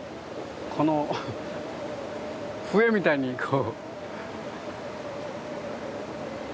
この笛みたいにこう。